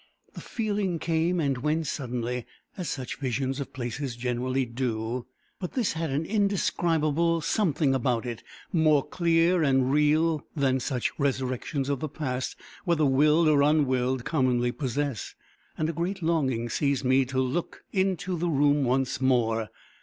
The feeling came and went suddenly, as such visions of places generally do; but this had an indescribable something about it more clear and real than such resurrections of the past, whether willed or unwilled, commonly possess; and a great longing seized me to look into the room once more.